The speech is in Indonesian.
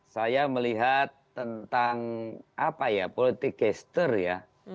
saya melihat tentang apa ya politik gesture ya